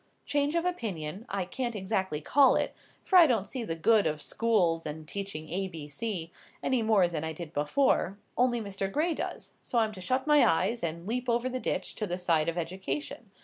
Change of opinion I can't exactly call it, for I don't see the good of schools and teaching A B C, any more than I did before, only Mr. Gray does, so I'm to shut my eyes, and leap over the ditch to the side of education.